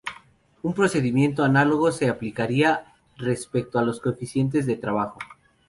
Un procedimiento análogo se aplicaría respecto a los coeficientes de trabajo.